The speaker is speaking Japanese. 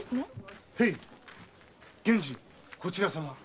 源次こちら様は？